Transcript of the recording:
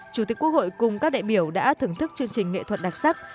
chủ tịch quốc hội cùng các đại biểu đã thưởng thức chương trình nghệ thuật đặc sắc